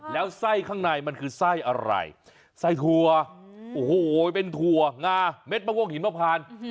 แล้วไส้ข้างในมันคือไส้อะไรไส้ถั่วโอ้โหเป็นถั่วงาเม็ดมะม่วงหิมพาน